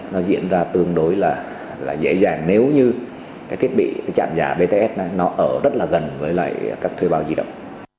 nó diễn ra tương đối là dễ dàng nếu như thiết bị trạm giả bts ở rất là gần với các thuê bao di động